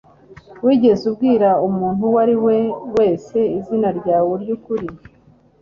Wigeze ubwira umuntu uwo ari we wese izina ryawe ryukuri?